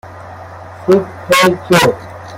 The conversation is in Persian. سوپ جو